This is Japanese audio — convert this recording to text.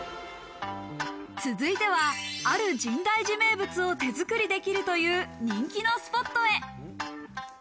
続いては、ある深大寺名物を手づくりできるという人気のスポットへ。